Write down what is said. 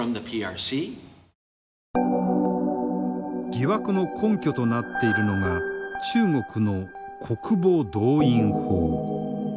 疑惑の根拠となっているのが中国の国防動員法。